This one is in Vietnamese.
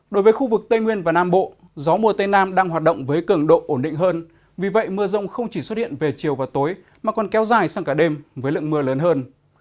đối với khu vực tây nguyên và nam bộ gió mùa tây nam đang hoạt động với cường độ ổn định hơn vì vậy mưa rông không chỉ xuất hiện về chiều và tối mà còn kéo dài sang cả đêm với lượng mưa lớn hơn